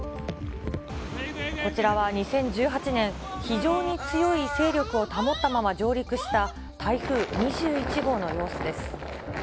こちらは２０１８年、非常に強い勢力を保ったまま上陸した台風２１号の様子です。